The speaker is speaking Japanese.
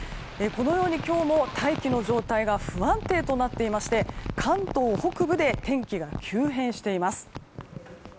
今日も大気の状態が不安定となっていまして関東北部で天気が急変しています。